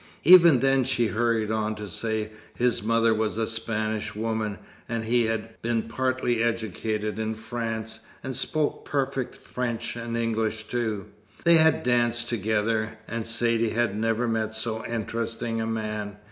Even then she hurried on to say his mother was a Spanish woman, and he had been partly educated in France, and spoke perfect French, and English too. They had danced together, and Saidee had never met so interesting a man.